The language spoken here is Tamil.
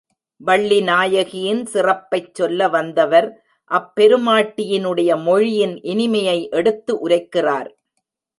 வள்ளிநாயகியின் சிறப்பைச் சொல்லவந்தவர் அப்பெருமாட்டியினுடைய மொழியின் இனிமையை எடுத்து உரைக்கிறார்.